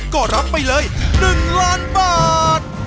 ก็รับไปเลย๑ล้านบาท